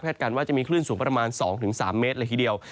การว่าจะมีคลื่นสูงประมาณ๒๓เมตรเลยทีเดียว